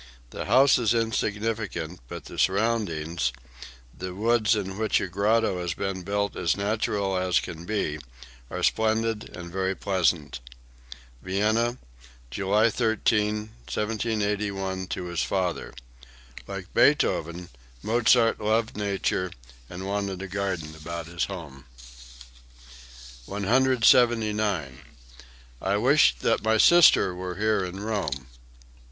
The house is insignificant, but the surroundings, the woods in which a grotto has been built as natural as can be, are splendid and very pleasant." (Vienna, July 13, 1781, to his father. Like Beethoven, Mozart loved nature and wanted a garden about his home.) 179. "I wish that my sister were here in Rome.